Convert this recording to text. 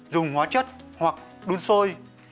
dùng hóa chất hoặc đun sôi